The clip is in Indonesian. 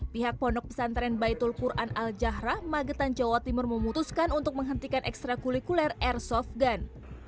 pihak pondok pesantren baitul quran al jahrah magetan jawa timur memutuskan untuk menghentikan ekstra kulikuler airsoft gun